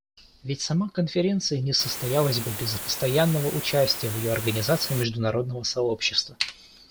Ведь сама конференция не состоялась бы без постоянного участия в ее организации международного сообщества.